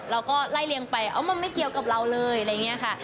เราก็ไล่เรียงไปมันไม่เกี่ยวกับเราเลยอะไรอย่างนี้ค่ะ